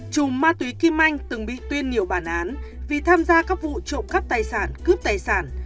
chùm ma túy kim anh từng bị tuyên nhiều bản án vì tham gia các vụ trộm cắp tài sản cướp tài sản